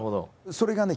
それがね